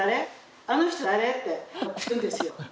あの人誰？」って聞くんですよ。